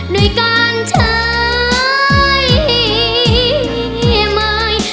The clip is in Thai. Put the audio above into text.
ด้วยการชาย